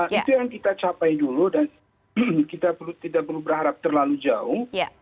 itu yang kita capai dulu dan kita tidak perlu berharap terlalu jauh